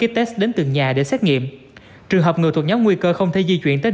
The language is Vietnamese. itex đến từng nhà để xét nghiệm trường hợp người thuộc nhóm nguy cơ không thể di chuyển tới